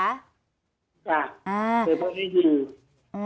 วันที่หนึ่ง